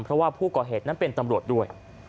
เพราะว่าผู้ก่อเหตุนั้นเป็นตำรวจด้วย